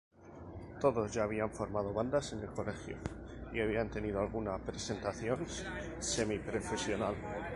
Todos ya habían formado bandas en el colegio, y habían tenido alguna presentación semiprofesional.